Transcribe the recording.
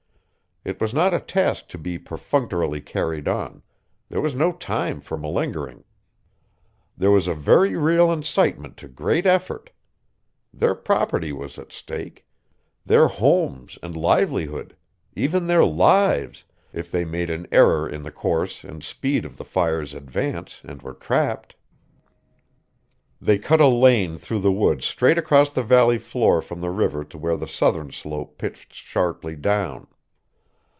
It was not a task to be perfunctorily carried on, there was no time for malingering. There was a very real incitement to great effort. Their property was at stake; their homes and livelihood; even their lives, if they made an error in the course and speed of the fire's advance and were trapped. They cut a lane through the woods straight across the valley floor from the river to where the southern slope pitched sharply down.